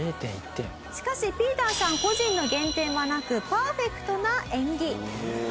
しかしＰＩＥＴＥＲさん個人の減点はなくパーフェクトな演技。